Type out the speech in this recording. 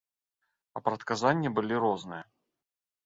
А прадказанні былі розныя.